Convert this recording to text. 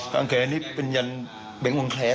ข้างแขนนี่เป็นยันเบงวงแคร์